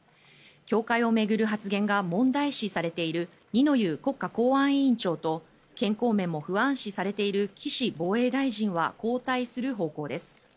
教会を巡る発言が問題視されている二之湯国家公安委員長と健康面も不安視されている岸防衛大臣は交代する方向です。